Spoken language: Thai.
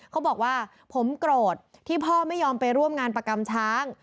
เขาบอกว่าผมโกรธที่พ่อไม่ยอมไปร่วมงานประกรรมช้าง